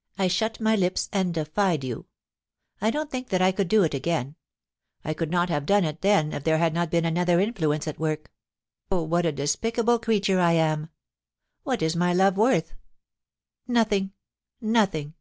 ... I shut my lips and defied you. I don't think that I could do it again. I could not have done it then if there had not been another influence at worL ... Oh ! what a despicable creature I am ! What is my love worth ? Nothing — nothing.